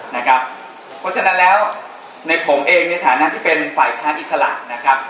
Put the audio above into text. เพราะฉะนั้นแล้วในผมเองในฐานะที่เป็นฝ่ายค้านอิสระนะครับ